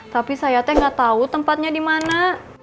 tapi saya teh gak tau tempatnya di mana